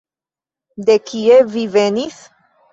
De kie vi venis?